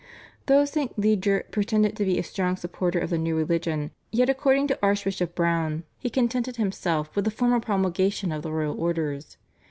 " Though St. Leger pretended to be a strong supporter of the new religion, yet, according to Archbishop Browne, he contented himself with the formal promulgation of the royal orders.